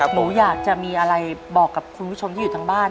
หนูอยากจะมีอะไรบอกกับคุณผู้ชมที่อยู่ทางบ้าน